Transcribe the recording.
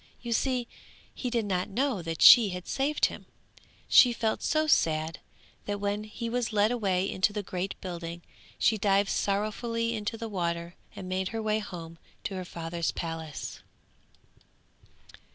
You see he did not know that she had saved him. She felt so sad that when he was led away into the great building she dived sorrowfully into the water and made her way home to her father's palace.